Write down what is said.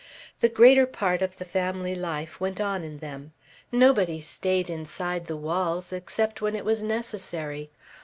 The greater part of the family life went on in them. Nobody stayed inside the walls, except when it was necessary.